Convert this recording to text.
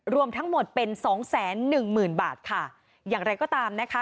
รวมทั้งหมดเป็นสองแสนหนึ่งหมื่นบาทค่ะอย่างไรก็ตามนะคะ